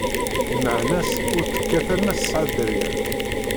lmeɛna-s ur tt-kkat alemma tesɛa dderya.